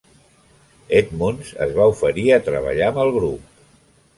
Edmunds es va oferir a treballar amb el grup.